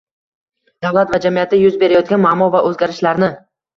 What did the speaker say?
davlat va jamiyatda yuz berayotgan muammo va o‘zgarishlarni